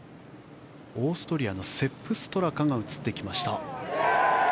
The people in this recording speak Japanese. オーストリアのセップ・ストラカが映ってきました。